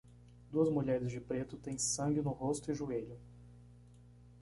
Duas mulheres de preto têm sangue no rosto e joelho